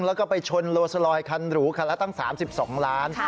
แล้วก็ไปชนโลสลอยคันหรูคันละตั้ง๓๒ล้าน